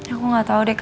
aku gak tau deh kak